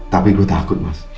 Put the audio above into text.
tapi gue takut mas